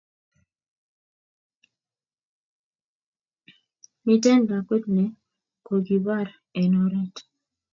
Miten lakwet ne kokipar en oret